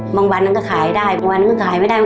บางวันเขาก็ขายได้บางวันก็ถือขายไม่ได้